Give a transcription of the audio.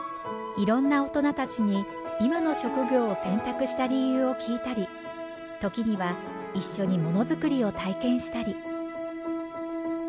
いろんな大人たちに今の職業を選択した理由を聞いたり時には一緒にものづくりを体験したり。